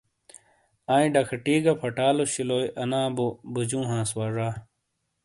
آئیں ڈَکھَٹی گہ فَٹالوشِلوئی اَنا بو بوجُوں ہانس وا زا۔